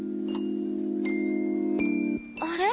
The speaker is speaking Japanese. あれ？